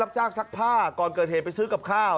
จ้างซักผ้าก่อนเกิดเหตุไปซื้อกับข้าว